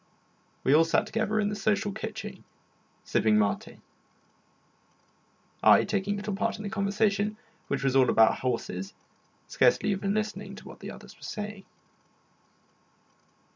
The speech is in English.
We all sat together in the social kitchen, sipping maté; I taking little part in the conversation, which was all about horses, scarcely even listening to what the others were saying.